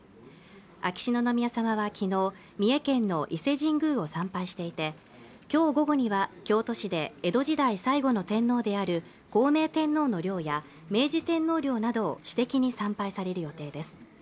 秋篠宮さまはきのう三重県の伊勢神宮を参拝していて今日午後には京都市で江戸時代最後の天皇である孝明天皇の陵や明治天皇陵などを私的に参拝される予定です